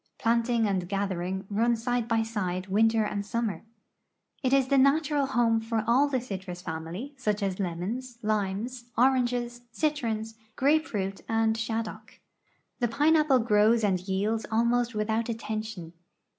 Planting and gathering run side by side winter and summer. It is the natural home for all the citrus family, such as lemons, limes, oranges, citrons, grape fruit, and shaddock. The pineapple grows and yields almost without attention.